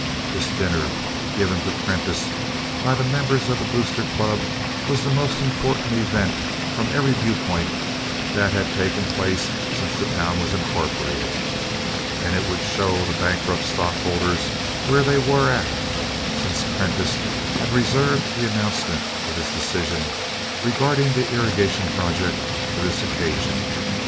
This dinner given to Prentiss by the members of the Boosters Club was the most important event from every viewpoint that had taken place since the town was incorporated. It would show the bankrupt stockholders where they were "at," since Prentiss had reserved the announcement of his decision regarding the irrigation project for this occasion.